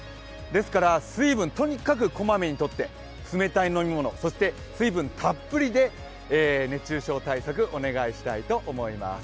ですから水分、とにかくこまめにとって冷たい飲み物そして水分たっぷりで熱中症対策、お願いしたいと思います。